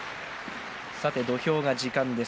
土俵が時間です。